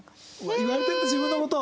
言われてるんだ自分の事を。